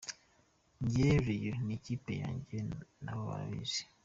Njye Rayon ni ikipe yanjye nabo barabizi.